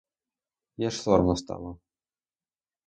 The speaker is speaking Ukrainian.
Їй аж соромно стало.